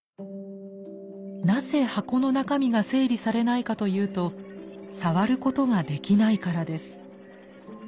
なぜ箱の中身が整理されないかというと触ることができないからです。